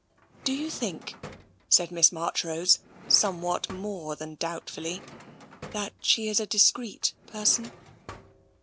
" Do you think," said Miss Marchrose, somewhat more than doubtfully, " that she is a discreet person?